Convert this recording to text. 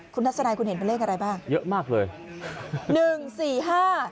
คุณทัศนัยคุณเห็นเป็นเลขอะไรบ้างเยอะมากเลยหนึ่งสี่ห้า